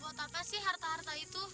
buat apa sih harta harta itu